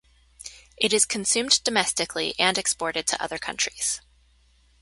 It is consumed domestically and exported to other countries.